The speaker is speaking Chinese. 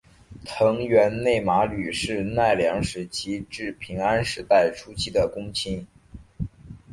藤原内麻吕是奈良时代至平安时代初期的公卿。